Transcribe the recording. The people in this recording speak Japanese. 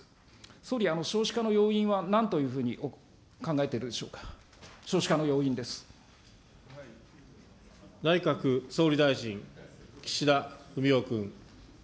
総理、少子化の要因はなんというふうに考えているんでしょうか、少子化内閣総理大臣、岸田文雄君。